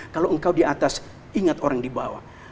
kalau engkau di atas ingat orang di bawah